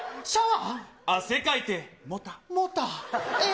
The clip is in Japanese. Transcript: シャワー？